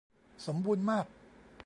สมบูรณ์มาก !